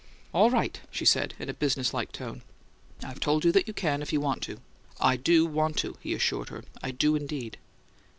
"All right," she said, in a business like tone. "I've told you that you can if you want to." "I do want to," he assured her. "I do, indeed!"